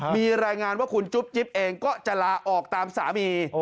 มีรายงานว่าคุณจุ๊บจิ๊บเองก็จะลาออกตามสามี